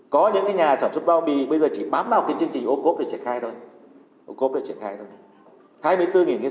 có những nhà sản xuất bao bì bây giờ chỉ bám vào chương trình ô cốp để triển khai thôi